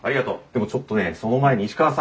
でもちょっとねその前に石川さん